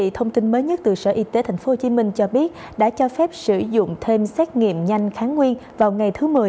thông tin mới nhất từ sở y tế tp hcm cho biết đã cho phép sử dụng thêm xét nghiệm nhanh kháng nguyên vào ngày thứ một mươi